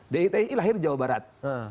diti lahir jawa barat